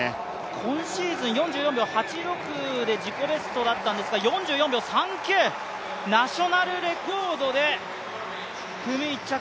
このシーズン４４秒８６で自己ベストだったんですが、４４秒３９、ナショナルレコードで組１着。